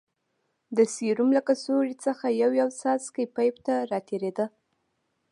د سيروم له کڅوړې څخه يو يو څاڅکى پيپ ته راتېرېده.